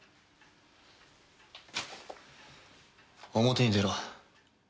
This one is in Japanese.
表に出ろ。